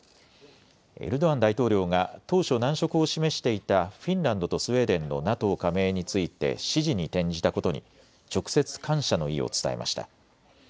エルドアン大統領が当初、難色を示していたフィンランドとスウェーデンのＮＡＴＯ加盟について支持に転じたことに直接、感謝の意を伝えました。